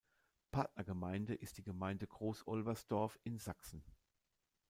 Partnergemeinde ist die Gemeinde Großolbersdorf in Sachsen.